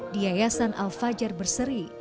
di yayasan al fajar berseri